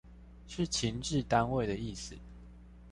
是情治單位的意思